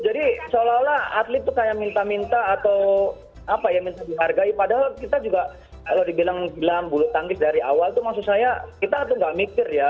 jadi seolah olah atlet itu kayak minta minta atau apa ya minta dihargai padahal kita juga kalau dibilang bulu tangis dari awal itu maksud saya kita tuh nggak mikir ya